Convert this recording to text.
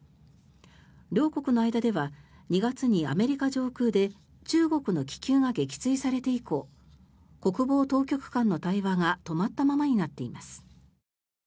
両国の間では２月にアメリカ上空で中国の気球が撃墜されて以降国防当局間の対話が止まったままになっています。